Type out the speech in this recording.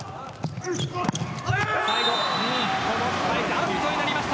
アウトになりました。